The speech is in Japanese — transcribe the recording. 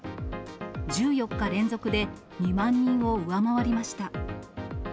１４日連続で２万人を上回りました。